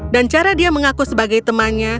dan cara dia mengaku sebagai temannya